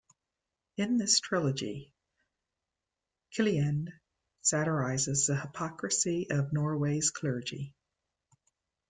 In this trilogy, Kielland satirizes the hypocrisy of Norway's clergy.